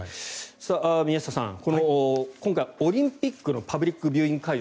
宮下さん、今回オリンピックのパブリックビューイング会場